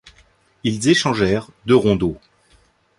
Ils échangèrent deux rondeaux.